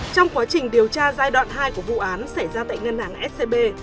trong quá trình điều tra giai đoạn hai của vụ án xảy ra tại ngân hàng scb